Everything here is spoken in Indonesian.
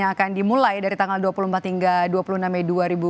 yang akan dimulai dari tanggal dua puluh empat hingga dua puluh enam mei dua ribu dua puluh